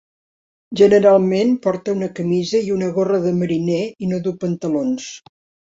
Generalment porta una camisa i una gorra de mariner i no duu pantalons.